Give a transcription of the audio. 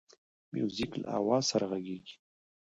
موزیک له آواز سره غږیږي.